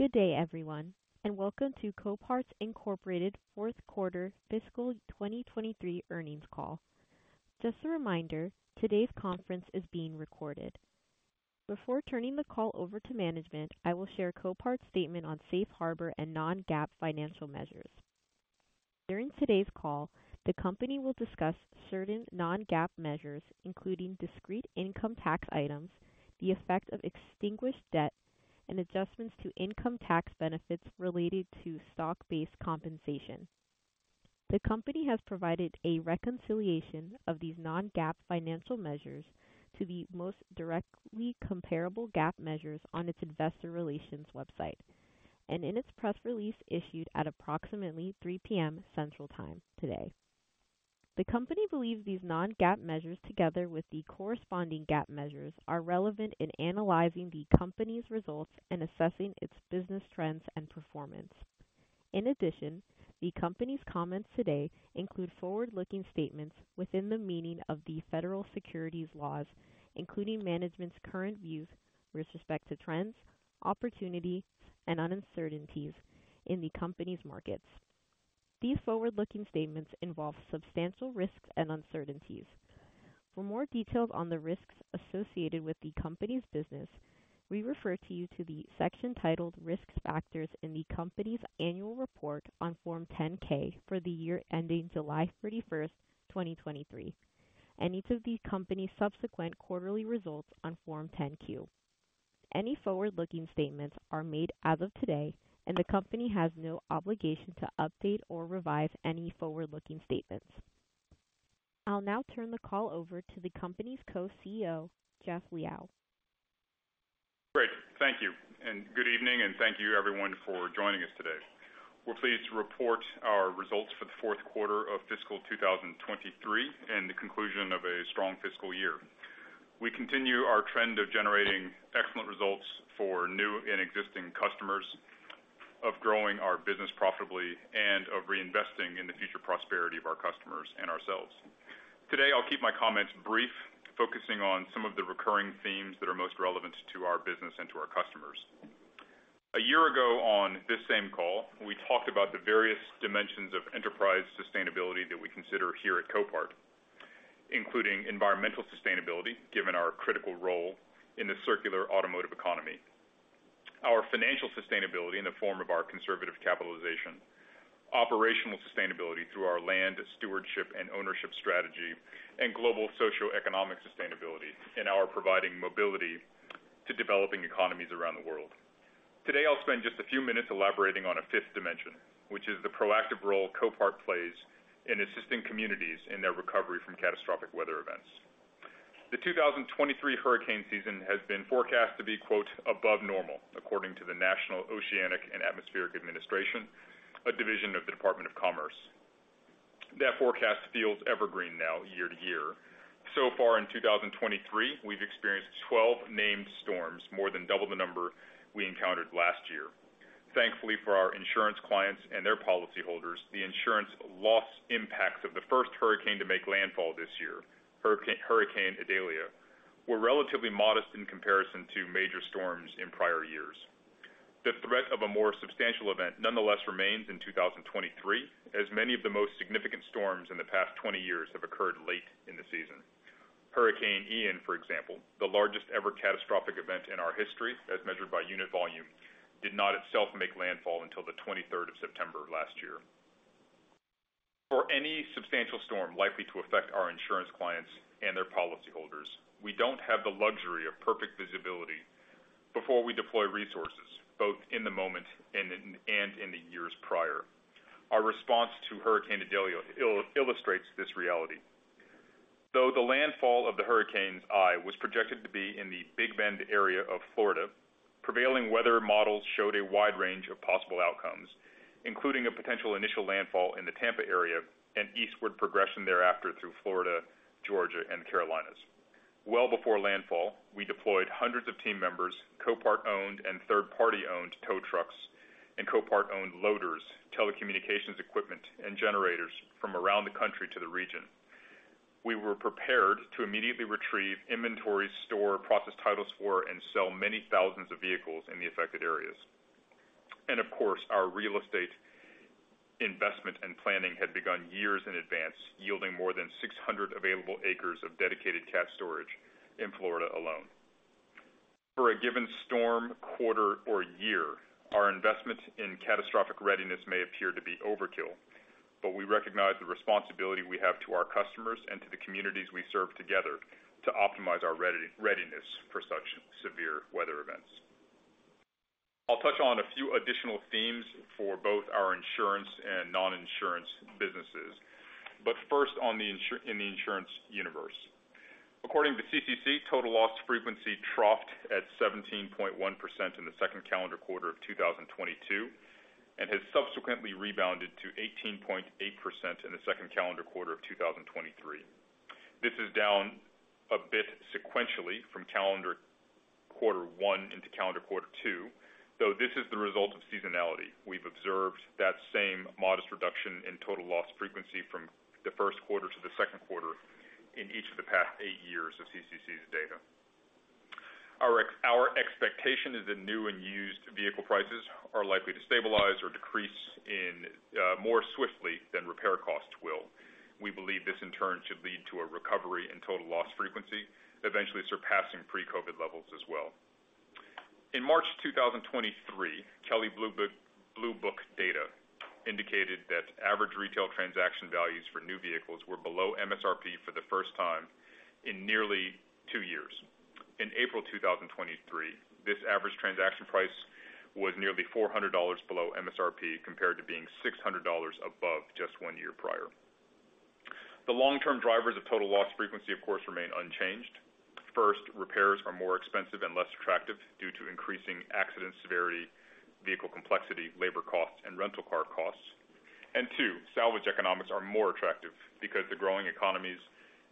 Good day, everyone, and welcome to Copart Inc.'s Fourth Quarter Fiscal 2023 earnings call. Just a reminder, today's conference is being recorded. Before turning the call over to management, I will share Copart's statement on Safe Harbor and non-GAAP financial measures. During today's call, the company will discuss certain non-GAAP measures, including discrete income tax items, the effect of extinguished debt, and adjustments to income tax benefits related to stock-based compensation. The company has provided a reconciliation of these non-GAAP financial measures to the most directly comparable GAAP measures on its investor relations website and in its press release issued at approximately 3:00 P.M. Central Time today. The company believes these non-GAAP measures, together with the corresponding GAAP measures, are relevant in analyzing the company's results and assessing its business trends and performance. In addition, the company's comments today include forward-looking statements within the meaning of the federal securities laws, including management's current views with respect to trends, opportunities, and uncertainties in the company's markets. These forward-looking statements involve substantial risks and uncertainties. For more details on the risks associated with the company's business, we refer you to the section titled Risk Factors in the company's Annual Report on Form 10-K for the year ending July 31, 2023, and each of the company's subsequent quarterly results on Form 10-Q. Any forward-looking statements are made as of today, and the company has no obligation to update or revise any forward-looking statements. I'll now turn the call over to the company's Co-CEO, Jeff Liaw. Great. Thank you, and good evening, and thank you everyone for joining us today. We're pleased to report our results for the fourth quarter of fiscal 2023 and the conclusion of a strong fiscal year. We continue our trend of generating excellent results for new and existing customers, of growing our business profitably, and of reinvesting in the future prosperity of our customers and ourselves. Today, I'll keep my comments brief, focusing on some of the recurring themes that are most relevant to our business and to our customers. A year ago, on this same call, we talked about the various dimensions of enterprise sustainability that we consider here at Copart, including environmental sustainability, given our critical role in the circular automotive economy. Our financial sustainability in the form of our conservative capitalization, operational sustainability through our land stewardship and ownership strategy, and global socioeconomic sustainability in our providing mobility to developing economies around the world. Today, I'll spend just a few minutes elaborating on a fifth dimension, which is the proactive role Copart plays in assisting communities in their recovery from catastrophic weather events. The 2023 hurricane season has been forecast to be, quote, "above normal," according to the National Oceanic and Atmospheric Administration, a division of the Department of Commerce. That forecast feels evergreen now year to year. So far in 2023, we've experienced 12 named storms, more than double the number we encountered last year. Thankfully for our insurance clients and their policyholders, the insurance loss impacts of the first hurricane to make landfall this year, Hurricane Idalia, were relatively modest in comparison to major storms in prior years. The threat of a more substantial event nonetheless remains in 2023, as many of the most significant storms in the past 20 years have occurred late in the season. Hurricane Ian, for example, the largest ever catastrophic event in our history, as measured by unit volume, did not itself make landfall until the 23rd of September last year. For any substantial storm likely to affect our insurance clients and their policyholders, we don't have the luxury of perfect visibility before we deploy resources, both in the moment and in the years prior. Our response to Hurricane Idalia well-illustrates this reality. Though the landfall of the hurricane's eye was projected to be in the Big Bend area of Florida, prevailing weather models showed a wide range of possible outcomes, including a potential initial landfall in the Tampa area and eastward progression thereafter through Florida, Georgia, and the Carolinas. Well before landfall, we deployed hundreds of team members, Copart-owned and third-party-owned tow trucks and Copart-owned loaders, telecommunications equipment, and generators from around the country to the region. We were prepared to immediately retrieve inventory, store, process titles for, and sell many thousands of vehicles in the affected areas. Of course, our real estate investment and planning had begun years in advance, yielding more than 600 available acres of dedicated CAT storage in Florida alone. For a given storm, quarter, or year, our investment in catastrophic readiness may appear to be overkill, but we recognize the responsibility we have to our customers and to the communities we serve together to optimize our readiness for such severe weather events. I'll touch on a few additional themes for both our insurance and non-insurance businesses, but first, in the insurance universe. According to CCC, total loss frequency troughed at 17.1% in the second calendar quarter of 2022 and has subsequently rebounded to 18.8% in the second calendar quarter of 2023. This is down a bit sequentially from calendar quarter one into calendar quarter two, though this is the result of-... observed that same modest reduction in total loss frequency from the first quarter to the second quarter in each of the past eight years of CCC's data. Our our expectation is that new and used vehicle prices are likely to stabilize or decrease in, more swiftly than repair costs will. We believe this, in turn, should lead to a recovery in total loss frequency, eventually surpassing pre-COVID levels as well. In March 2023, Kelley Blue Book data indicated that average retail transaction values for new vehicles were below MSRP for the first time in nearly two years. In April 2023, this average transaction price was nearly $400 below MSRP, compared to being $600 above just one year prior. The long-term drivers of total loss frequency, of course, remain unchanged. First, repairs are more expensive and less attractive due to increasing accident severity, vehicle complexity, labor costs, and rental car costs. And two, salvage economics are more attractive because the growing economies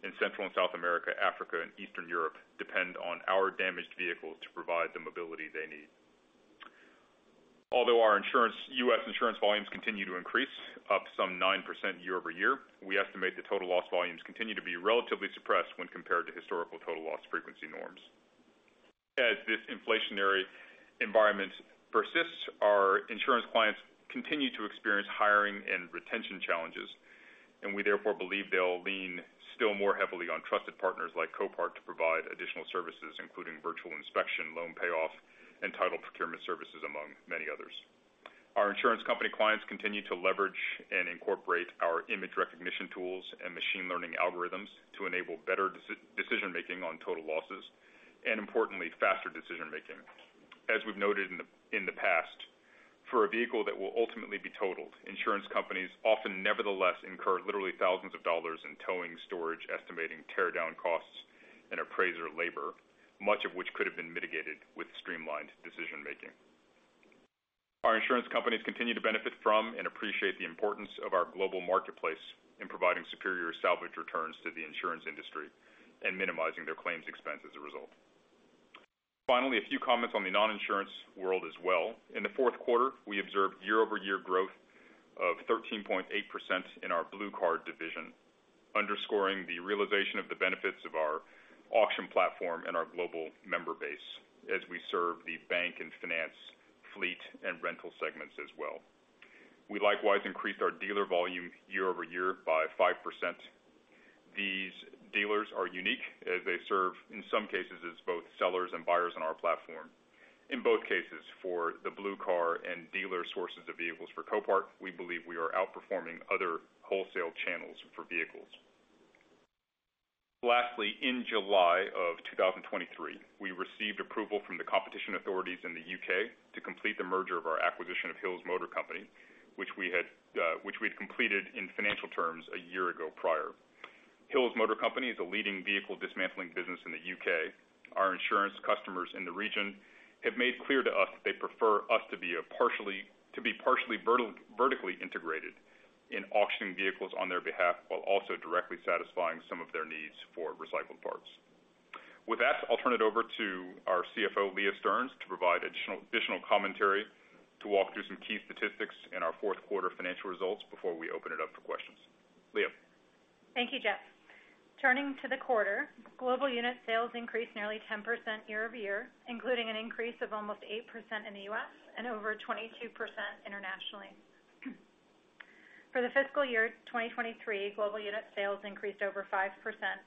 in Central and South America, Africa, and Eastern Europe depend on our damaged vehicles to provide the mobility they need. Although our insurance - U.S. insurance volumes continue to increase, up some 9% year-over-year, we estimate the total loss volumes continue to be relatively suppressed when compared to historical total loss frequency norms. As this inflationary environment persists, our insurance clients continue to experience hiring and retention challenges, and we therefore believe they'll lean still more heavily on trusted partners like Copart to provide additional services, including virtual inspection, loan payoff, and title procurement services, among many others. Our Insurance Company clients continue to leverage and incorporate our image recognition tools and machine learning algorithms to enable better decision-making on total losses, and importantly, faster decision-making. As we've noted in the past, for a vehicle that will ultimately be totaled, Insurance Companies often nevertheless incur literally thousands of dollars in towing, storage, estimating, tear down costs and appraiser labor, much of which could have been mitigated with streamlined decision making. Our Insurance Companies continue to benefit from and appreciate the importance of our global marketplace in providing superior salvage returns to the insurance industry and minimizing their claims expense as a result. Finally, a few comments on the non-insurance world as well. In the fourth quarter, we observed year-over-year growth of 13.8% in our Blue Car division, underscoring the realization of the benefits of our auction platform and our global member base as we serve the bank and finance, fleet, and rental segments as well. We likewise increased our dealer volume year-over-year by 5%. These dealers are unique as they serve, in some cases, as both sellers and buyers on our platform. In both cases, for the Blue Car and dealer sources of vehicles for Copart, we believe we are outperforming other wholesale channels for vehicles. Lastly, in July of 2023, we received approval from the competition authorities in the U.K. to complete the merger of our acquisition of Hills Motors, which we'd completed in financial terms a year ago prior. Hills Motors is a leading vehicle dismantling business in the U.K. Our insurance customers in the region have made clear to us that they prefer us to be partially vertically integrated in auctioning vehicles on their behalf, while also directly satisfying some of their needs for recycled parts. With that, I'll turn it over to our CFO, Leah Stearns, to provide additional commentary to walk through some key statistics in our fourth quarter financial results before we open it up for questions. Leah? Thank you, Jeff. Turning to the quarter, global unit sales increased nearly 10% year-over-year, including an increase of almost 8% in the U.S. and over 22% internationally. For the fiscal year 2023, global unit sales increased over 5%,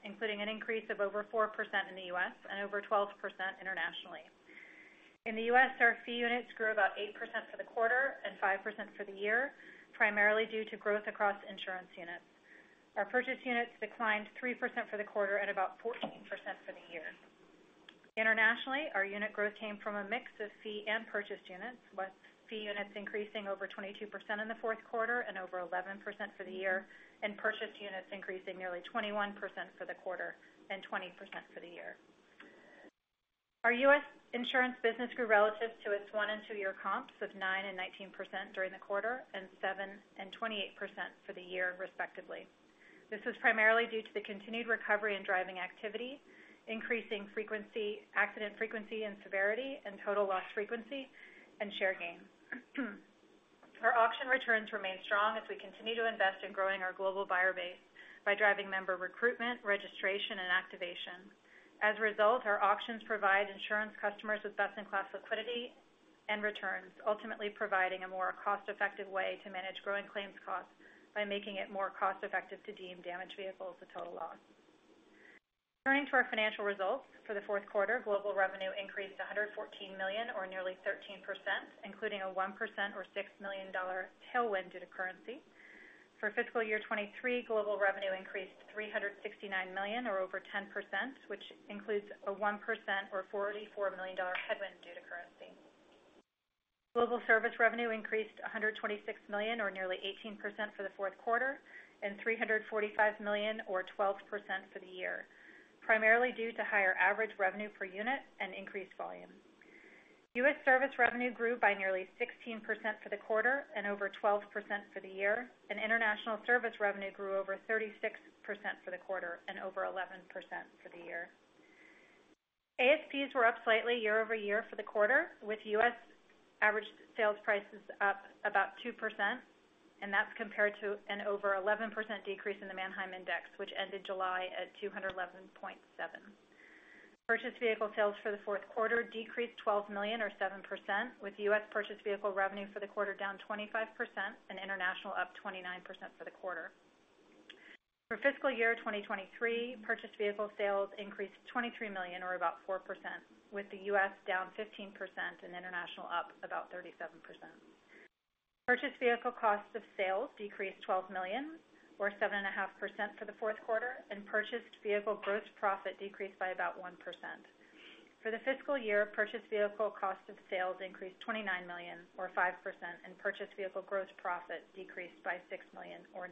including an increase of over 4% in the U.S. and over 12% internationally. In the U.S., our fee units grew about 8% for the quarter and 5% for the year, primarily due to growth across insurance units. Our purchase units declined 3% for the quarter and about 14% for the year. Internationally, our unit growth came from a mix of fee and purchased units, with fee units increasing over 22% in the fourth quarter and over 11% for the year, and purchased units increasing nearly 21% for the quarter and 20% for the year. Our U.S. insurance business grew relative to its one- and two-year comps of 9% and 19% during the quarter, and 7% and 28% for the year, respectively. This was primarily due to the continued recovery in driving activity, increasing frequency, accident frequency and severity, and total loss frequency, and share gain. Our auction returns remain strong as we continue to invest in growing our global buyer base by driving member recruitment, registration, and activation. As a result, our auctions provide insurance customers with best-in-class liquidity and returns, ultimately providing a more cost-effective way to manage growing claims costs by making it more cost-effective to deem damaged vehicles a total loss. Turning to our financial results for the fourth quarter, global revenue increased to $114 million, or nearly 13%, including a 1% or $6 million tailwind due to currency. For fiscal year 2023, global revenue increased $369 million or over 10%, which includes a 1% or $44 million headwind due to currency. Global service revenue increased $126 million, or nearly 18% for the fourth quarter, and $345 million, or 12% for the year, primarily due to higher average revenue per unit and increased volume. U.S. service revenue grew by nearly 16% for the quarter and over 12% for the year, and international service revenue grew over 36% for the quarter and over 11% for the year. ASPs were up slightly year-over-year for the quarter, with U.S. average sales prices up about 2%, and that's compared to an over 11% decrease in the Manheim Index, which ended July at 211.7. Purchased vehicle sales for the fourth quarter decreased $12 million, or 7%, with U.S. purchased vehicle revenue for the quarter down 25% and international up 29% for the quarter. For fiscal year 2023, purchased vehicle sales increased $23 million, or about 4%, with the U.S. down 15% and international up about 37%. Purchased vehicle cost of sales decreased $12 million, or 7.5% for the fourth quarter, and purchased vehicle gross profit decreased by about 1%. For the fiscal year, purchased vehicle cost of sales increased $29 million, or 5%, and purchased vehicle gross profit decreased by $6 million, or 9%.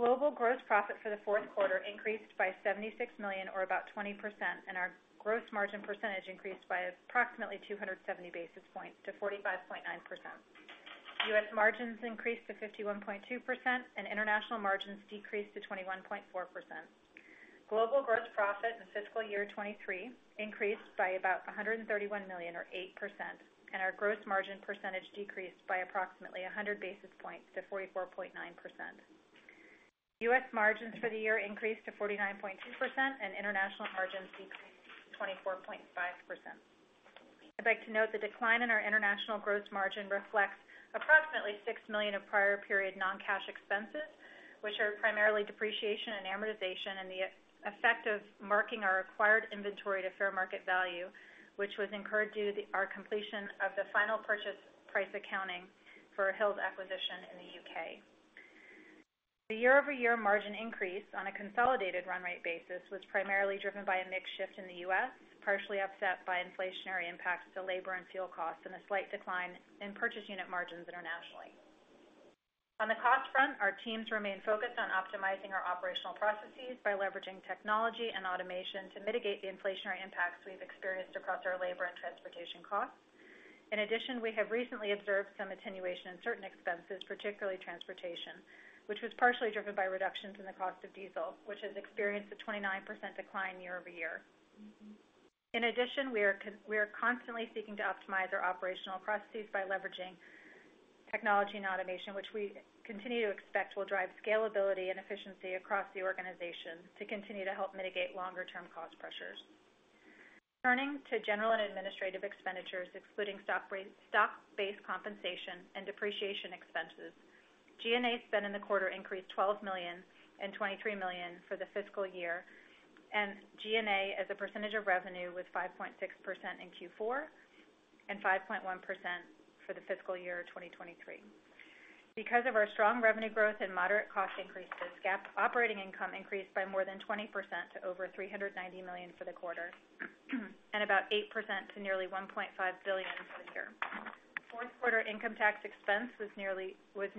Global gross profit for the fourth quarter increased by $76 million, or about 20%, and our gross margin percentage increased by approximately 270 basis points to 45.9%. U.S. margins increased to 51.2%, and international margins decreased to 21.4%. Global gross profit in fiscal year 2023 increased by about $131 million, or 8%, and our gross margin percentage decreased by approximately 100 basis points to 44.9%. U.S. margins for the year increased to 49.2% and international margins decreased to 24.5%. I'd like to note the decline in our international gross margin reflects approximately $6 million of prior period non-cash expenses, which are primarily depreciation and amortization, and the effect of marking our acquired inventory to fair market value, which was incurred due to our completion of the final purchase price accounting for Hills acquisition in the U.K. The year-over-year margin increase on a consolidated run rate basis was primarily driven by a mix shift in the U.S., partially offset by inflationary impacts to labor and fuel costs and a slight decline in purchase unit margins internationally. On the cost front, our teams remain focused on optimizing our operational processes by leveraging technology and automation to mitigate the inflationary impacts we've experienced across our labor and transportation costs. In addition, we have recently observed some attenuation in certain expenses, particularly transportation, which was partially driven by reductions in the cost of diesel, which has experienced a 29% decline year-over-year. In addition, we are constantly seeking to optimize our operational processes by leveraging technology and automation, which we continue to expect will drive scalability and efficiency across the organization to continue to help mitigate longer-term cost pressures. Turning to general and administrative expenditures, excluding stock-based compensation and depreciation expenses, G&A spend in the quarter increased $12 million and $23 million for the fiscal year, and G&A, as a percentage of revenue, was 5.6% in Q4 and 5.1% for the fiscal year 2023. Because of our strong revenue growth and moderate cost increases, GAAP operating income increased by more than 20% to over $390 million for the quarter, and about 8% to nearly $1.5 billion for the year. Fourth quarter income tax expense was nearly $72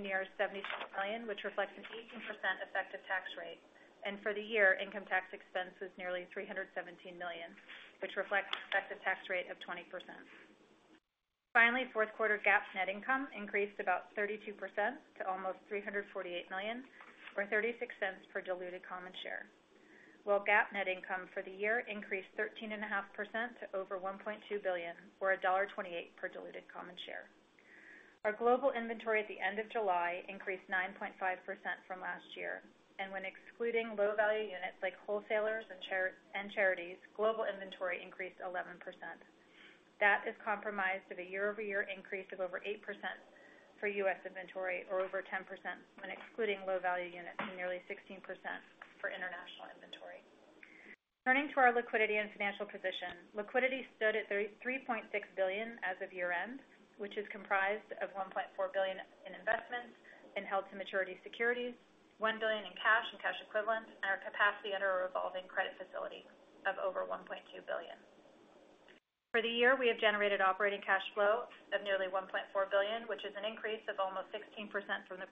million, which reflects an 18% effective tax rate, and for the year, income tax expense was nearly $317 million, which reflects an effective tax rate of 20%. Finally, fourth quarter GAAP net income increased about 32% to almost $348 million, or $0.36 per diluted common share, while GAAP net income for the year increased 13.5% to over $1.2 billion, or $1.28 per diluted common share. Our global inventory at the end of July increased 9.5% from last year, and when excluding low-value units like wholesalers and cars and charities, global inventory increased 11%. That is comprised of a year-over-year increase of over 8% for U.S. inventory, or over 10% when excluding low-value units, and nearly 16% for international inventory. Turning to our liquidity and financial position. Liquidity stood at $33.6 billion as of year-end, which is comprised of $1.4 billion in investments in held to maturity securities, $1 billion in cash and cash equivalents, and our capacity under a revolving credit facility of over $1.2 billion. For the year, we have generated operating cash flow of nearly $1.4 billion, which is an increase of almost 16% from the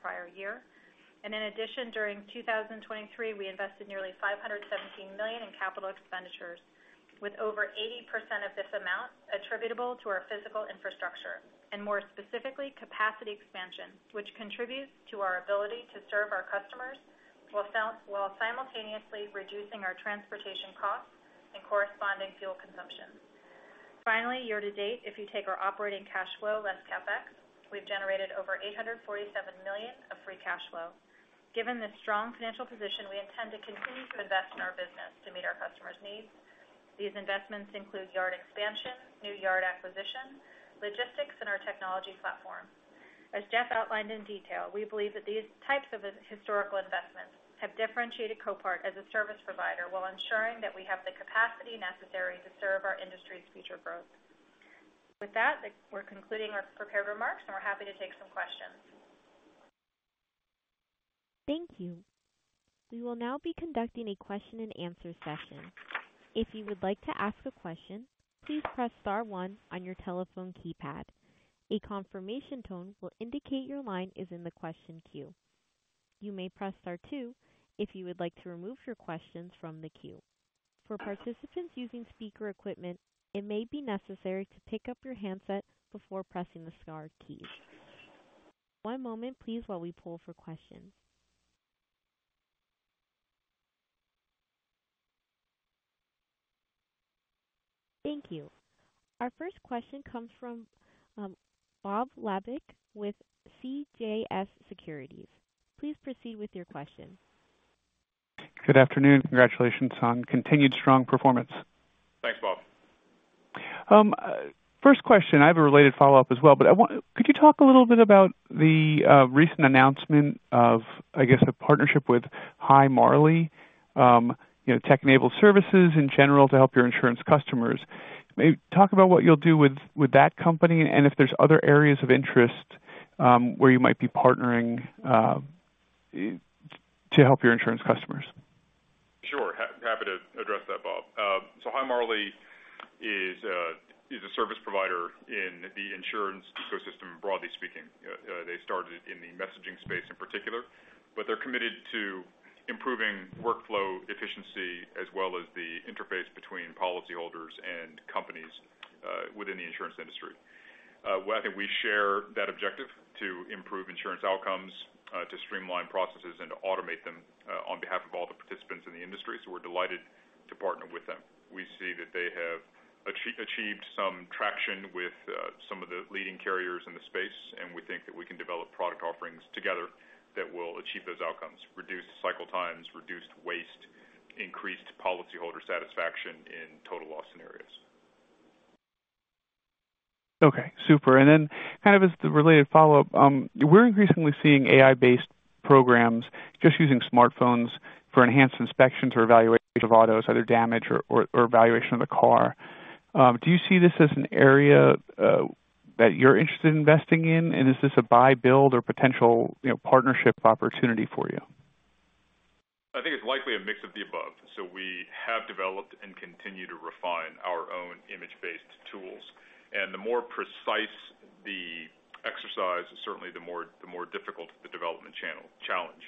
prior year. In addition, during 2023, we invested nearly $517 million in capital expenditures, with over 80% of this amount attributable to our physical infrastructure, and more specifically, capacity expansion, which contributes to our ability to serve our customers while simultaneously reducing our transportation costs and corresponding fuel consumption. Finally, year-to-date, if you take our operating cash flow less CapEx, we've generated over $847 million of free cash flow. Given this strong financial position, we intend to continue to invest in our business to meet our customers' needs. These investments include yard expansion, new yard acquisition, logistics, and our technology platform. As Jeff outlined in detail, we believe that these types of historical investments have differentiated Copart as a service provider while ensuring that we have the capacity necessary to serve our industry's future growth. With that, we're concluding our prepared remarks, and we're happy to take some questions. Thank you. We will now be conducting a question-and-answer session. If you would like to ask a question, please press star one on your telephone keypad. A confirmation tone will indicate your line is in the question queue. You may press star two if you would like to remove your questions from the queue. For participants using speaker equipment, it may be necessary to pick up your handset before pressing the star key. One moment, please, while we pull for questions. Thank you. Our first question comes from Bob Labick, with CJS Securities. Please proceed with your question. Good afternoon. Congratulations on continued strong performance. Thanks, Bob. First question, I have a related follow-up as well, but I want, could you talk a little bit about the recent announcement of, I guess, a partnership with Hi Marley, you know, tech-enabled services in general to help your insurance customers? Maybe talk about what you'll do with, with that company, and if there's other areas of interest, where you might be partnering to help your insurance customers. Sure. Happy to address that, Bob. So Hi Marley is a service provider in the insurance ecosystem, broadly speaking. They started in the messaging space in particular, but they're committed to improving workflow efficiency as well as the interface between policyholders and companies within the insurance industry. Well, I think we share that objective to improve insurance outcomes, to streamline processes and to automate them on behalf of all the participants in the industry, so we're delighted to partner with them. We see that they have achieved some traction with some of the leading carriers in the space, and we think that we can develop product offerings together that will achieve those outcomes, reduced cycle times, reduced waste, increased policyholder satisfaction in total loss scenarios. Okay, super. And then kind of as the related follow-up, we're increasingly seeing AI-based programs just using smartphones for enhanced inspections or evaluation of autos, either damage or, or evaluation of the car. Do you see this as an area that you're interested in investing in? And is this a buy, build, or potential, you know, partnership opportunity for you? I think it's likely a mix of the above. So we have developed and continue to refine our own image-based tools. And the more precise the exercise, certainly the more, the more difficult the development challenge.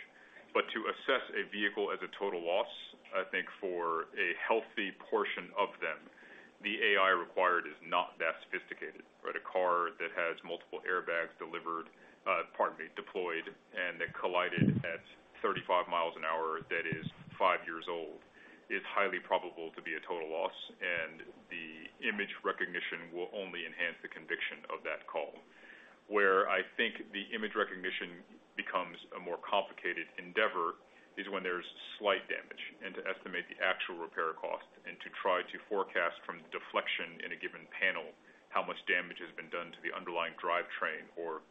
But to assess a vehicle as a total loss, I think for a healthy portion of them, the AI required is not that sophisticated, right? A car that has multiple airbags delivered, pardon me, deployed, and that collided at 35 mi an hour, that is five years old, is highly probable to be a total loss, and the image recognition will only enhance the conviction of that call. Where I think the image recognition becomes a more complicated endeavor is when there's slight damage, and to estimate the actual repair cost, and to try to forecast from deflection in a given panel, how much damage has been done to the underlying drivetrain or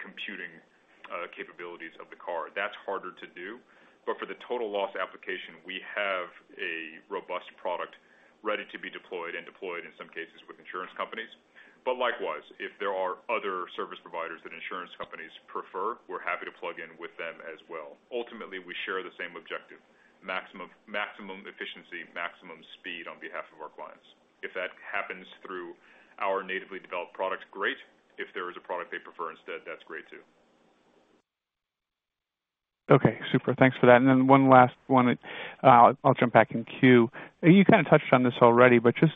computing capabilities of the car. That's harder to do. But for the total loss application, we have a robust product ready to be deployed and deployed, in some cases, with Insurance Companies. But likewise, if there are other service providers that Insurance Companies prefer, we're happy to plug in with them as well. Ultimately, we share the same objective: maximum, maximum efficiency, maximum speed on behalf of our clients. If that happens through our natively developed products, great. If there is a product they prefer instead, that's great, too. Okay, super. Thanks for that. And then one last one, I'll jump back in queue. You kind of touched on this already, but just,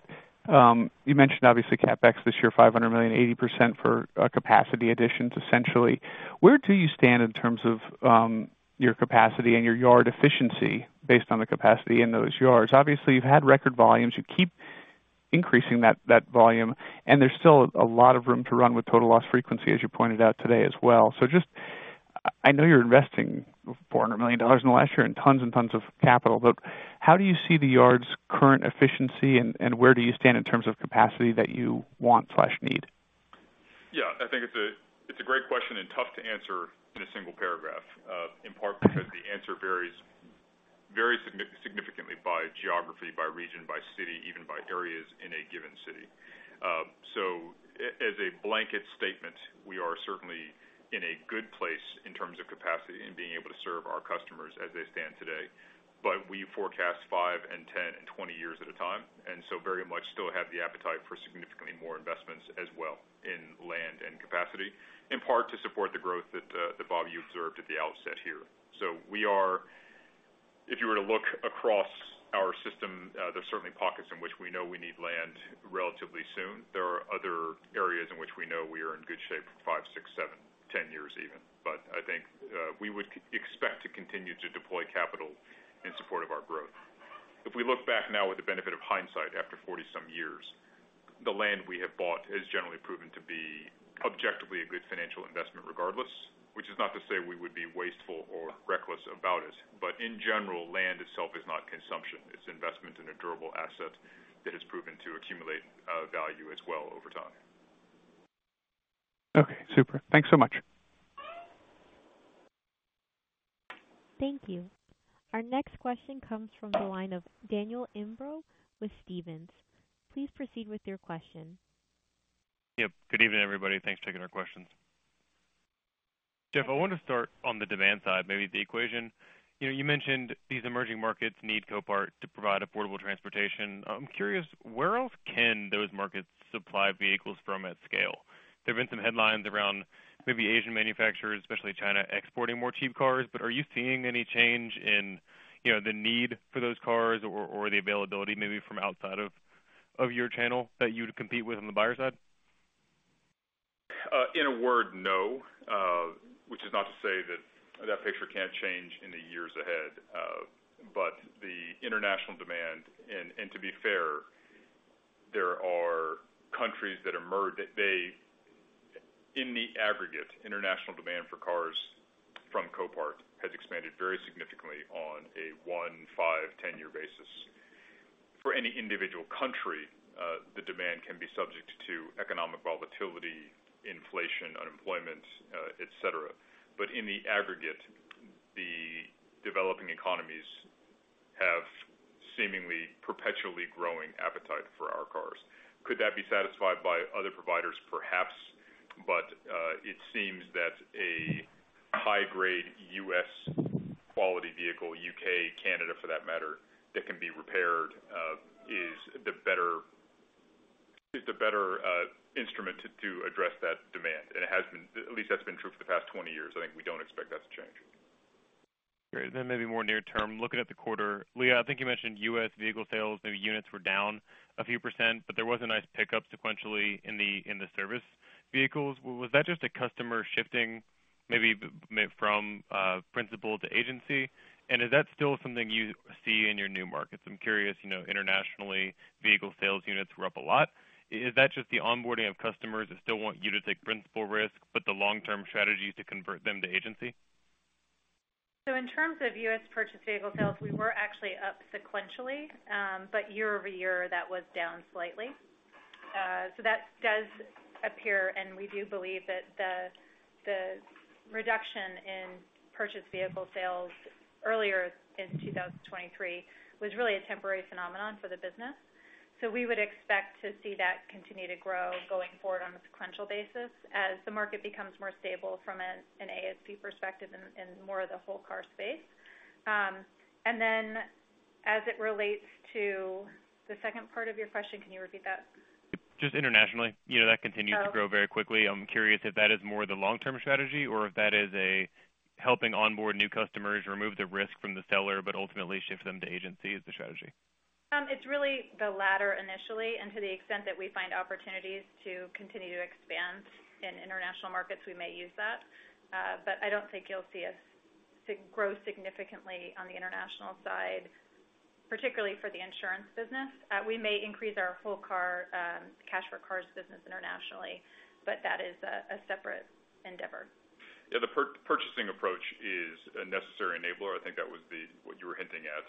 you mentioned obviously CapEx this year, $500 million, 80% for capacity additions, essentially. Where do you stand in terms of your capacity and your yard efficiency based on the capacity in those yards? Obviously, you've had record volumes. You keep increasing that, that volume, and there's still a lot of room to run with total loss frequency, as you pointed out today as well. So just, I know you're investing $400 million in the last year and tons and tons of capital, but how do you see the yard's current efficiency, and, and where do you stand in terms of capacity that you want slash need? Yeah, I think it's a great question and tough to answer in a single paragraph, in part because the answer varies significantly by geography, by region, by city, even by areas in a given city. So as a blanket statement, we are certainly in a good place in terms of capacity and being able to serve our customers as they stand today. But we forecast five and 10 and 20 years at a time, and so very much still have the appetite for significantly more investments as well in land and capacity, in part to support the growth that, Bob, you observed at the outset here. So we are, if you were to look across our system, there's certainly pockets in which we know we need land relatively soon. There are other areas in which we know we are in good shape for five, six, seven, 10 years even. But I think, we would expect to continue to deploy capital in support of our growth. If we look back now with the benefit of hindsight, after 40-some years, the land we have bought has generally proven to be objectively a good financial investment regardless, which is not to say we would be wasteful or reckless about it, but in general, land itself is not consumption. It's investment in a durable asset that has proven to accumulate value as well over time. Okay, super. Thanks so much. Thank you. Our next question comes from the line of Daniel Imbro with Stephens. Please proceed with your question. Yep. Good evening, everybody. Thanks for taking our questions. Jeff, I want to start on the demand side, maybe the equation. You know, you mentioned these emerging markets need Copart to provide affordable transportation. I'm curious, where else can those markets supply vehicles from at scale? There have been some headlines around maybe Asian manufacturers, especially China, exporting more cheap cars, but are you seeing any change in, you know, the need for those cars or, or the availability maybe from outside of China?... of your channel that you'd compete with on the buyer side? In a word, no. Which is not to say that that picture can't change in the years ahead. But the international demand and, to be fair, there are countries that are emerging. In the aggregate, international demand for cars from Copart has expanded very significantly on a one, five, 10-year basis. For any individual country, the demand can be subject to economic volatility, inflation, unemployment, et cetera. But in the aggregate, the developing economies have seemingly perpetually growing appetite for our cars. Could that be satisfied by other providers? Perhaps, but it seems that a high-grade U.S. quality vehicle, U.K., Canada, for that matter, that can be repaired, is the better instrument to address that demand. And it has been. At least that's been true for the past 20 years. I think we don't expect that to change. Great. Then maybe more near term, looking at the quarter. Leah, I think you mentioned U.S. vehicle sales, maybe units were down a few %, but there was a nice pickup sequentially in the service vehicles. Was that just a customer shifting, maybe from principal to agency? And is that still something you see in your new markets? I'm curious, you know, internationally, vehicle sales units were up a lot. Is that just the onboarding of customers that still want you to take principal risk, but the long-term strategy to convert them to agency? So in terms of U.S. purchase vehicle sales, we were actually up sequentially, but year-over-year, that was down slightly. So that does appear, and we do believe that the reduction in purchased vehicle sales earlier in 2023 was really a temporary phenomenon for the business. So we would expect to see that continue to grow going forward on a sequential basis as the market becomes more stable from an ASP perspective and more of the whole car space. And then as it relates to the second part of your question, can you repeat that? Just internationally, you know, that continues to grow very quickly. I'm curious if that is more the long-term strategy or if that is a helping onboard new customers remove the risk from the seller, but ultimately shift them to agency is the strategy. It's really the latter initially, and to the extent that we find opportunities to continue to expand in international markets, we may use that. But I don't think you'll see us grow significantly on the international side, particularly for the insurance business. We may increase our full car Cash for Cars business internationally, but that is a separate endeavor. Yeah, the purchasing approach is a necessary enabler. I think that would be what you were hinting at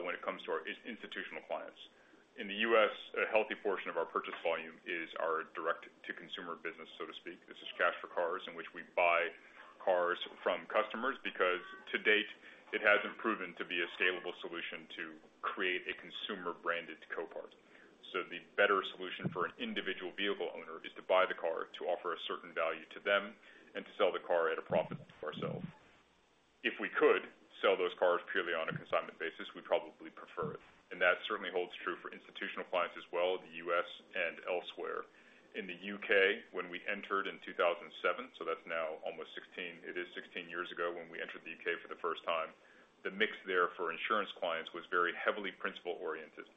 when it comes to our institutional clients. In the U.S., a healthy portion of our purchase volume is our direct-to-consumer business, so to speak. This is Cash for Cars, in which we buy cars from customers, because to date, it hasn't proven to be a scalable solution to create a consumer-branded Copart. So the better solution for an individual vehicle owner is to buy the car, to offer a certain value to them, and to sell the car at a profit ourselves. If we could sell those cars purely on a consignment basis, we'd probably prefer it, and that certainly holds true for institutional clients as well, the U.S. and elsewhere. In the U.K., when we entered in 2007, so that's now almost 16. It is 16 years ago when we entered the U.K for the first time. The mix there for insurance clients was very heavily principal-oriented.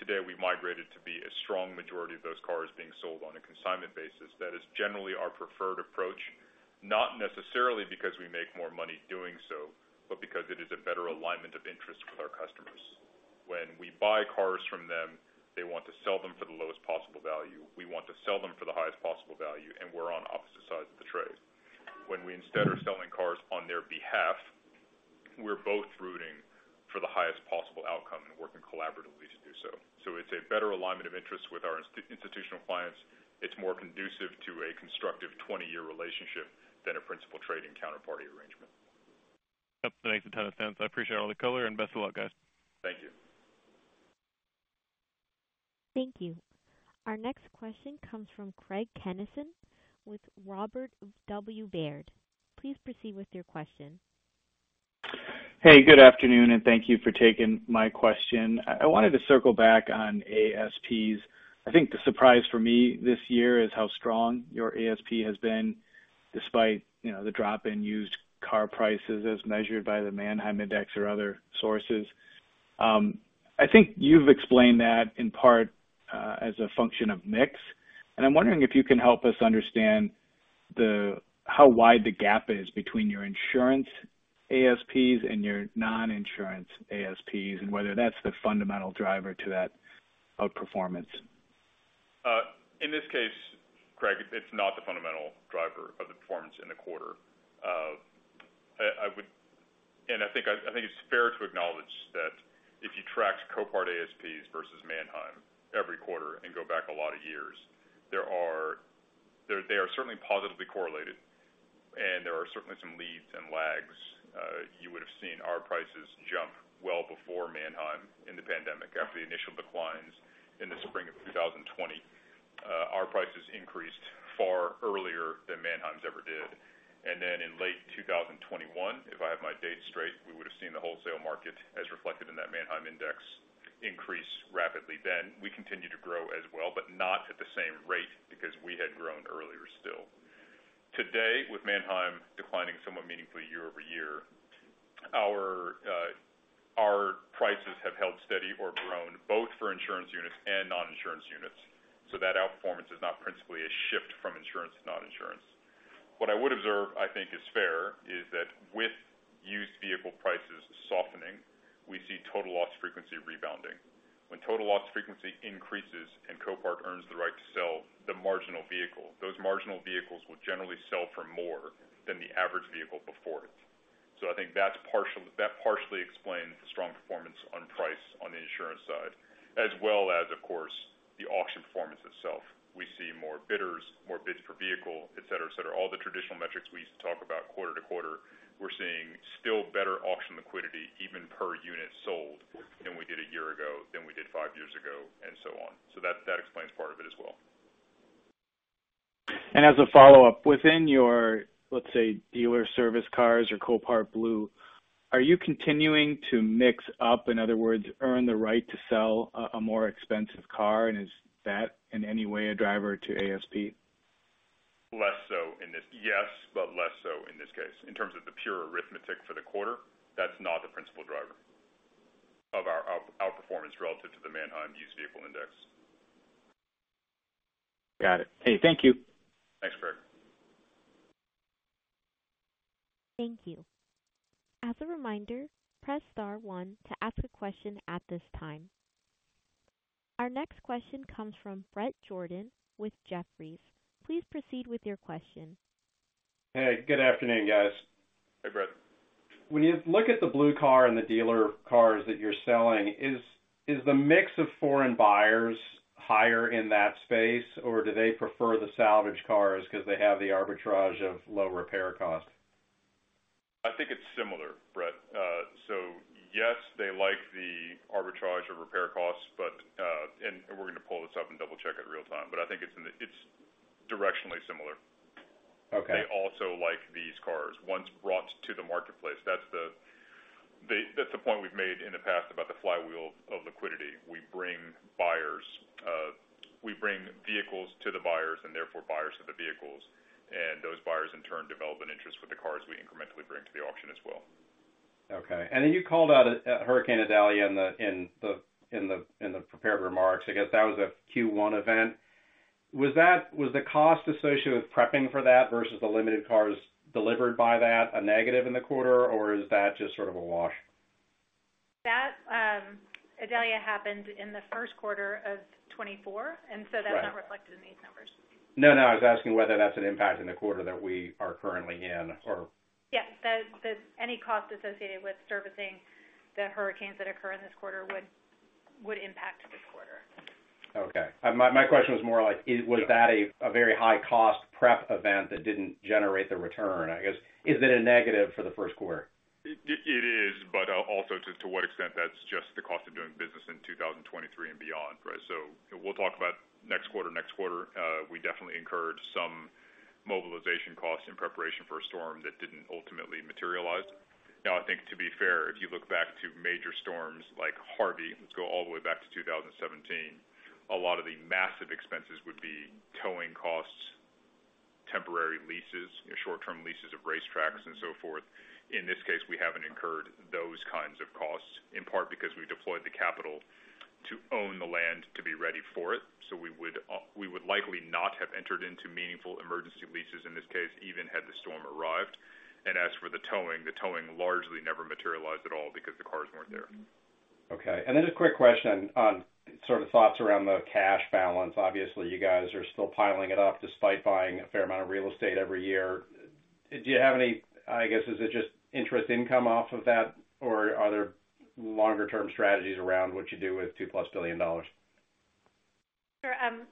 Today, we migrated to be a strong majority of those cars being sold on a consignment basis. That is generally our preferred approach, not necessarily because we make more money doing so, but because it is a better alignment of interest with our customers. When we buy cars from them, they want to sell them for the lowest possible value. We want to sell them for the highest possible value, and we're on opposite sides of the trade. When we instead are selling cars on their behalf, we're both rooting for the highest possible outcome and working collaboratively to do so. So it's a better alignment of interest with our institutional clients. It's more conducive to a constructive 20-year relationship than a principal trading counterparty arrangement. Yep, that makes a ton of sense. I appreciate all the color, and best of luck, guys. Thank you. Thank you. Our next question comes from Craig Kennison with Robert W. Baird. Please proceed with your question. Hey, good afternoon, and thank you for taking my question. I wanted to circle back on ASPs. I think the surprise for me this year is how strong your ASP has been, despite, you know, the drop in used car prices as measured by the Manheim Index or other sources. I think you've explained that in part, as a function of mix, and I'm wondering if you can help us understand how wide the gap is between your insurance ASPs and your non-insurance ASPs, and whether that's the fundamental driver to that outperformance. In this case, Craig, it's not the fundamental driver of the performance in the quarter. I would... And I think it's fair to acknowledge that if you tracked Copart ASPs versus Manheim every quarter and go back a lot of years, they are certainly positively correlated, and there are certainly some leads and lags. You would have seen our prices jump well before Manheim in the pandemic. After the initial declines in the spring of 2020, our prices increased far earlier than Manheim's ever did. And then in late 2021, if I have my dates straight, we would have seen the wholesale market, as reflected in that Manheim Index, increase rapidly. Then, we continued to grow as well, but not-... Today, with Manheim declining somewhat meaningfully year-over-year, our prices have held steady or grown, both for insurance units and non-insurance units. So that outperformance is not principally a shift from insurance to non-insurance. What I would observe, I think is fair, is that with used vehicle prices softening, we see total loss frequency rebounding. When total loss frequency increases and Copart earns the right to sell the marginal vehicle, those marginal vehicles will generally sell for more than the average vehicle before it. So I think that partially explains the strong performance on price on the insurance side, as well as, of course, the auction performance itself. We see more bidders, more bids per vehicle, et cetera, et cetera. All the traditional metrics we used to talk about quarter to quarter, we're seeing still better auction liquidity, even per unit sold than we did a year ago, than we did five years ago, and so on. So that explains part of it as well. As a follow-up, within your, let's say, dealer service cars or Copart Blue, are you continuing to mix up, in other words, earn the right to sell a more expensive car? And is that in any way a driver to ASP? Less so in this. Yes, but less so in this case. In terms of the pure arithmetic for the quarter, that's not the principal driver of our outperformance relative to the Manheim Used Vehicle Index. Got it. Hey, thank you. Thanks, Brad. Thank you. As a reminder, press star one to ask a question at this time. Our next question comes from Brett Jordan with Jefferies. Please proceed with your question. Hey, good afternoon, guys. Hey, Brett. When you look at the blue car and the dealer cars that you're selling, is the mix of foreign buyers higher in that space, or do they prefer the salvage cars because they have the arbitrage of low repair costs? I think it's similar, Brett. So yes, they like the arbitrage of repair costs, but and we're going to pull this up and double-check it real-time, but I think it's in the—it's directionally similar. Okay. They also like these cars once brought to the marketplace. That's the point we've made in the past about the flywheel of liquidity. We bring buyers, we bring vehicles to the buyers and therefore buyers to the vehicles, and those buyers, in turn, develop an interest for the cars we incrementally bring to the auction as well. Okay. And then you called out Hurricane Idalia in the prepared remarks. I guess that was a Q1 event. Was that the cost associated with prepping for that versus the limited cars delivered by that a negative in the quarter, or is that just sort of a wash? That, Idalia happened in the first quarter of 2024, and so that's- Right. Not reflected in these numbers. No, no, I was asking whether that's an impact in the quarter that we are currently in or? Yes, any cost associated with servicing the hurricanes that occur in this quarter would impact this quarter. Okay. My question was more like, was that a very high-cost prep event that didn't generate the return? I guess, is it a negative for the first quarter? It is, but also to what extent that's just the cost of doing business in 2023 and beyond, right? So we'll talk about next quarter, next quarter. We definitely incurred some mobilization costs in preparation for a storm that didn't ultimately materialize. Now, I think to be fair, if you look back to major storms like Harvey, let's go all the way back to 2017, a lot of the massive expenses would be towing costs, temporary leases, short-term leases of racetracks and so forth. In this case, we haven't incurred those kinds of costs, in part because we deployed the capital to own the land, to be ready for it. So we would likely not have entered into meaningful emergency leases in this case, even had the storm arrived. As for the towing, the towing largely never materialized at all because the cars weren't there. Mm-hmm. Okay, and then a quick question on sort of thoughts around the cash balance. Obviously, you guys are still piling it up despite buying a fair amount of real estate every year. Do you have any... I guess, is it just interest income off of that, or are there longer-term strategies around what you do with $2+ billion? Sure.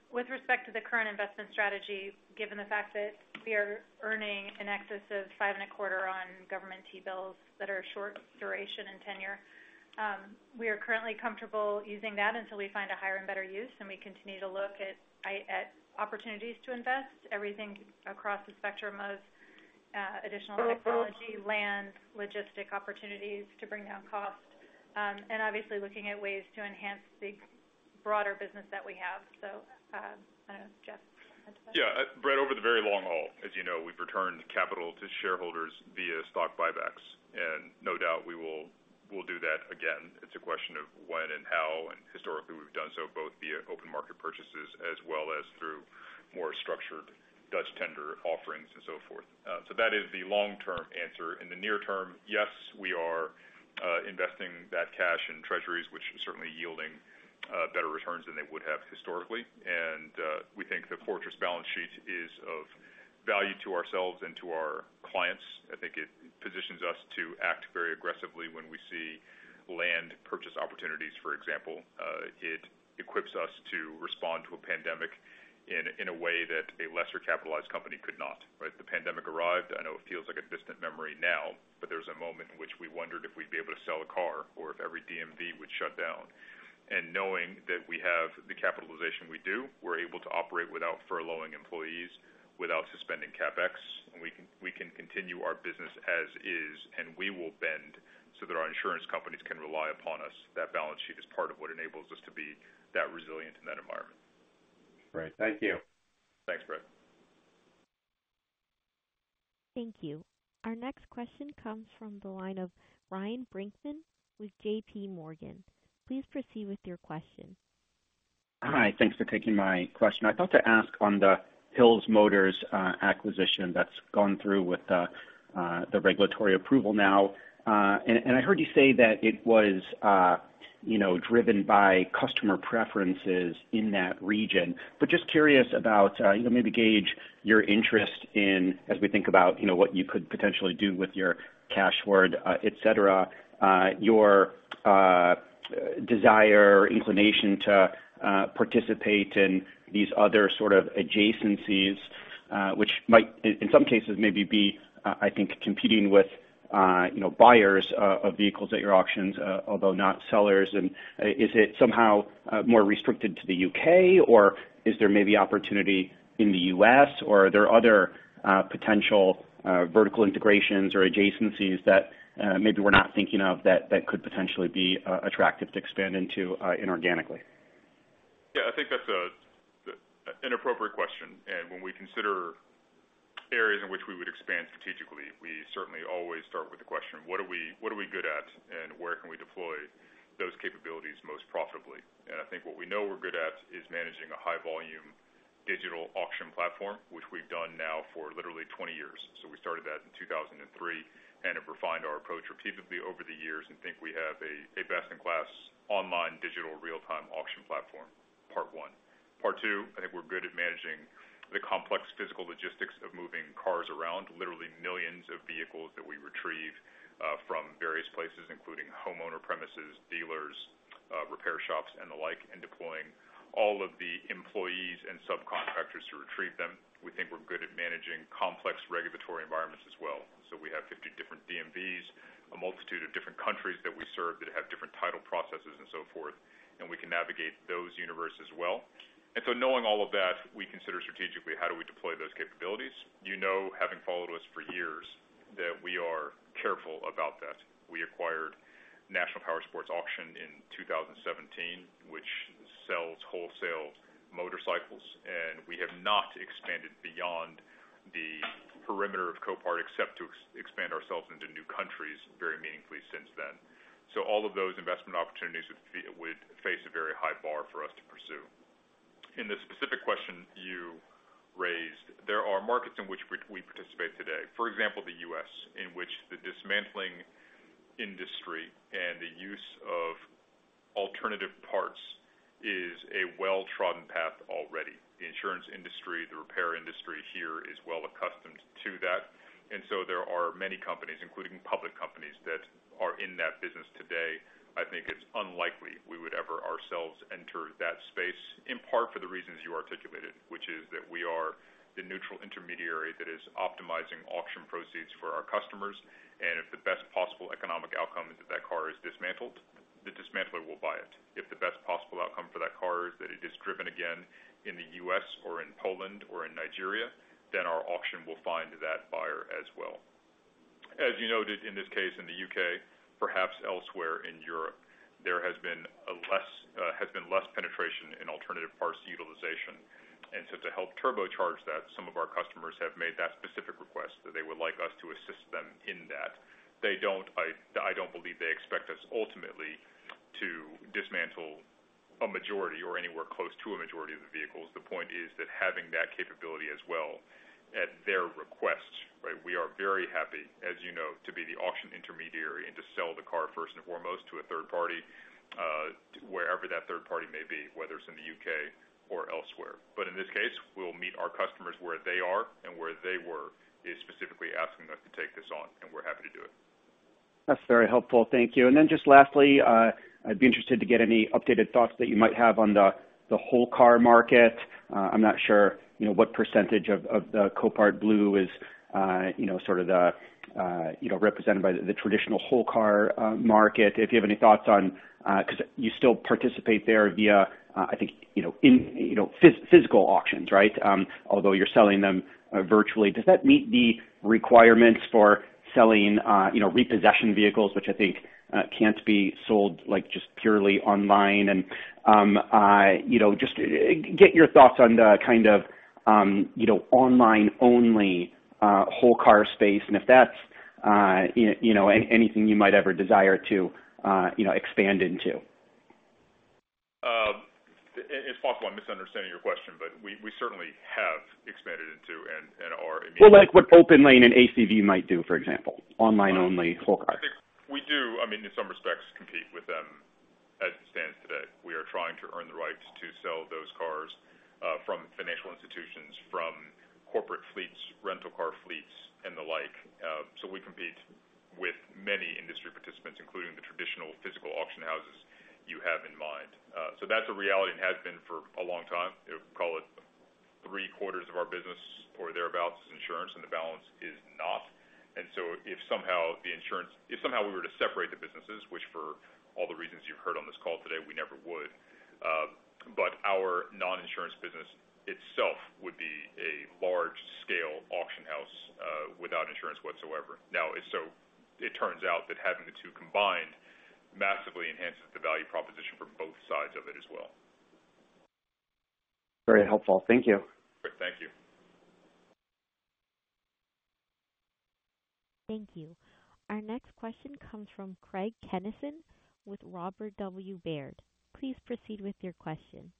With respect to the current investment strategy, given the fact that we are earning in excess of 5.25 on government T-bills that are short duration and tenure, we are currently comfortable using that until we find a higher and better use, and we continue to look at opportunities to invest everything across the spectrum of additional technology, land, logistics opportunities to bring down costs, and obviously looking at ways to enhance the broader business that we have. So, I don't know, Jeff, do you want to add to that? Yeah. Brett, over the very long haul, as you know, we've returned capital to shareholders via stock buybacks, and no doubt we will, we'll do that again. It's a question of when and how, and historically, we've done so both via open market purchases as well as through more structured Dutch tender offerings and so forth. So that is the long-term answer. In the near term, yes, we are investing that cash in treasuries, which is certainly yielding better returns than they would have historically. And we think the fortress balance sheet is of value to ourselves and to our clients. I think it positions us to act very aggressively when we see land purchase opportunities, for example. It equips us to respond to a pandemic in a way that a lesser capitalized company could not. Right? The pandemic arrived. I know it feels like a distant memory now, but there was a moment in which we wondered if we'd be able to sell a car or if every DMV would shut down. Knowing that we have the capitalization we do, we're able to operate without furloughing employees, without suspending CapEx. We can continue our business as is, and we will bend so that our Insurance Companies can rely upon us. That balance sheet is part of what enables us to be that resilient in that environment. Great. Thank you. Thanks, Brett. Thank you. Our next question comes from the line of Ryan Brinkman with JP Morgan. Please proceed with your question. Hi, thanks for taking my question. I thought to ask on the Hills Motors acquisition that's gone through with the regulatory approval now. I heard you say that it was, you know, driven by customer preferences in that region. But just curious about, you know, maybe gauge your interest in as we think about, you know, what you could potentially do with your cash hoard, et cetera, your desire or inclination to participate in these other sort of adjacencies, which might, in some cases, maybe be, I think, competing with, you know, buyers of vehicles at your auctions, although not sellers. Is it somehow more restricted to the U.K., or is there maybe opportunity in the U.S., or are there other potential vertical integrations or adjacencies that maybe we're not thinking of, that could potentially be attractive to expand into inorganically? Yeah, I think that's an appropriate question. And when we consider areas in which we would expand strategically, we certainly always start with the question: What are we good at, and where can we deploy those capabilities most profitably? And I think what we know we're good at is managing a high volume digital auction platform, which we've done now for literally 20 years. So we started that in 2003 and have refined our approach repeatedly over the years and think we have a best-in-class online digital real-time auction platform, part one. Part two, I think we're good at managing the complex physical logistics of moving cars around literally millions of vehicles that we retrieve from various places, including homeowner premises, dealers, repair shops, and the like, and deploying all of the employees and subcontractors to retrieve them. We think we're good at managing complex regulatory environments as well. So we have 50 different DMVs, a multitude of different countries that we serve that have different title processes and so forth, and we can navigate those universes as well. So knowing all of that, we consider strategically, how do we deploy those capabilities? You know, having followed us for years, that we are careful about that. We acquired National Powersport Auctions in 2017, which sells wholesale motorcycles, and we have not expanded beyond the perimeter of Copart, except to expand ourselves into new countries very meaningfully since then. So all of those investment opportunities would face a very high bar for us to pursue. In the specific question you raised, there are markets in which we participate today. For example, the U.S., in which the dismantling industry and the use of alternative parts is a well-trodden path already. The insurance industry, the repair industry here, is well accustomed to that. And so there are many companies, including public companies, that are in that business today. I think it's unlikely we would ever ourselves enter that space, in part for the reasons you articulated, which is that we are the neutral intermediary that is optimizing auction proceeds for our customers, and if the best possible economic outcome is that that car is dismantled, the dismantler will buy it. If the best possible outcome for that car is that it is driven again in the U.S. or in Poland or in Nigeria, then our auction will find that buyer as well. As you noted in this case, in the U.K., perhaps elsewhere in Europe, there has been less penetration in alternative parts utilization. So to help turbocharge that, some of our customers have made that specific request that they would like us to assist them in that. They don't. I don't believe they expect us ultimately to dismantle a majority or anywhere close to a majority of the vehicles. The point is that having that capability as well, at their request, right? We are very happy, as you know, to be the auction intermediary and to sell the car first and foremost to a third party, wherever that third party may be, whether it's in the U.K. or elsewhere. But in this case, we'll meet our customers where they are, and where they were is specifically asking us to take this on, and we're happy to do it. That's very helpful. Thank you. And then just lastly, I'd be interested to get any updated thoughts that you might have on the whole car market. I'm not sure, you know, what percentage of the Copart Blue is, you know, sort of the, you know, represented by the traditional whole car market. If you have any thoughts on... Because you still participate there via, I think, you know, in, you know, physical auctions, right? Although you're selling them virtually. Does that meet the requirements for selling, you know, repossession vehicles, which I think can't be sold, like, just purely online? And, you know, just get your thoughts on the kind of, you know, online-only, you know, whole car space, and if that's, you know, anything you might ever desire to, you know, expand into. It's possible I'm misunderstanding your question, but we certainly have expanded into and are- Well, like what OPENLANE and ACV might do, for example, online-only whole cars. We do, I mean, in some respects, compete with them as it stands today. We are trying to earn the right to sell those cars from financial institutions, from corporate fleets, rental car fleets, and the like. So we compete with many industry participants, including the traditional physical auction houses you have in mind. So that's a reality and has been for a long time. Call it three-quarters of our business or thereabout is insurance, and the balance is not... And so if somehow the insurance, if somehow we were to separate the businesses, which for all the reasons you've heard on this call today, we never would. But our non-insurance business itself would be a large-scale auction house without insurance whatsoever. Now, so it turns out that having the two combined massively enhances the value proposition for both sides of it as well. Very helpful. Thank you. Great. Thank you. Thank you. Our next question comes from Craig Kennison with Robert W. Baird. Please proceed with your question.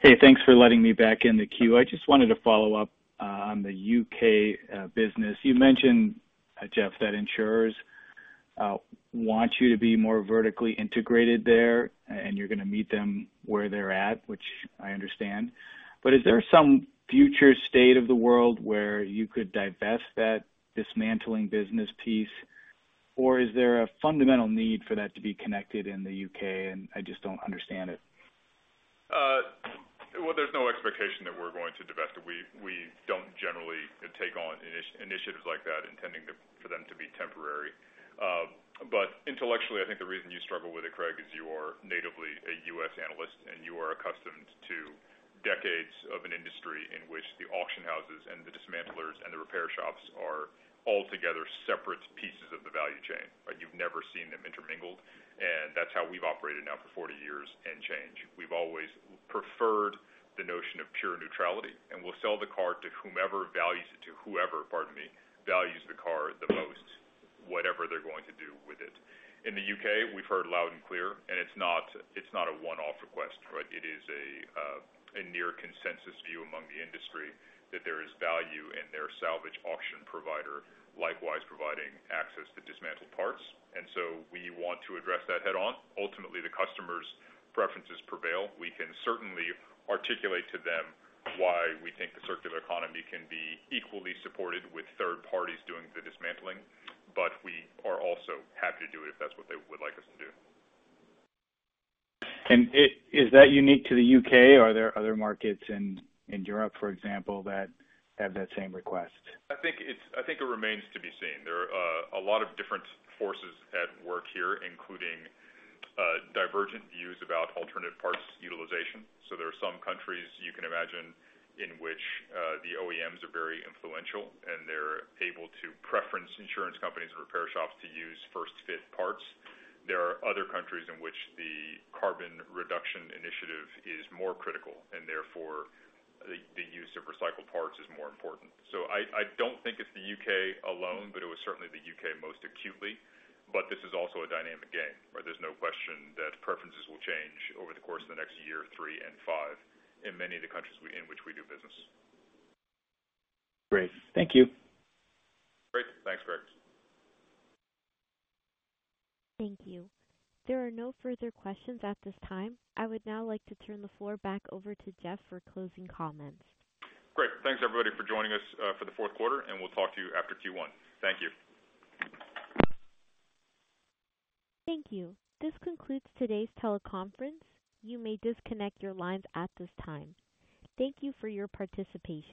Hey, thanks for letting me back in the queue. I just wanted to follow up on the U.K. business. You mentioned, Jeff, that insurers want you to be more vertically integrated there, and you're going to meet them where they're at, which I understand. But is there some future state of the world where you could divest that dismantling business piece, or is there a fundamental need for that to be connected in the U.K.? And I just don't understand it. Well, there's no expectation that we're going to divest, and we don't generally take on initiatives like that, intending for them to be temporary. But intellectually, I think the reason you struggle with it, Craig, is you are natively a U.S. analyst, and you are accustomed to decades of an industry in which the auction houses and the dismantlers and the repair shops are altogether separate pieces of the value chain, right? You've never seen them intermingled, and that's how we've operated now for forty years and change. We've always preferred the notion of pure neutrality, and we'll sell the car to whomever values it, to whoever, pardon me, values the car the most, whatever they're going to do with it. In the U.K., we've heard loud and clear, and it's not, it's not a one-off request, right? It is a near consensus view among the industry that there is value in their salvage auction provider, likewise providing access to dismantled parts, and so we want to address that head on. Ultimately, the customer's preferences prevail. We can certainly articulate to them why we think the circular economy can be equally supported with third parties doing the dismantling, but we are also happy to do it if that's what they would like us to do. Is that unique to the U.K., or are there other markets in Europe, for example, that have that same request? I think it remains to be seen. There are a lot of different forces at work here, including divergent views about alternative parts utilization. So there are some countries you can imagine in which the OEMs are very influential, and they're able to preference Insurance Companies and repair shops to use first-fit parts. There are other countries in which the carbon reduction initiative is more critical, and therefore, the use of recycled parts is more important. So I don't think it's the U.K. alone, but it was certainly the U.K. most acutely. But this is also a dynamic game, right? There's no question that preferences will change over the course of the next year, three and five in many of the countries we, in which we do business. Great. Thank you. Great. Thanks, Craig. Thank you. There are no further questions at this time. I would now like to turn the floor back over to Jeff for closing comments. Great. Thanks, everybody, for joining us, for the fourth quarter, and we'll talk to you after Q1. Thank you. Thank you. This concludes today's teleconference. You may disconnect your lines at this time. Thank you for your participation.